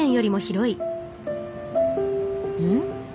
うん？